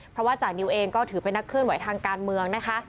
เพราะว่าจานิวเองก็ถือเป็นนักเคลื่อนไหวทางการเมืองนะคะ